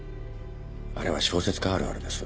あれは小説家あるあるです。